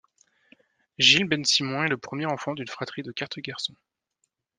Gilles Bensimon est le premier enfant d’une fratrie de quatre garçons.